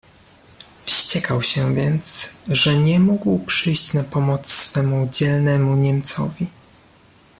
"Wściekał się więc, że nie mógł przyjść na pomoc swemu dzielnemu niemcowi."